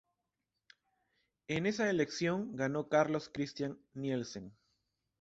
En esa elección ganó Carlos Christian Nielsen.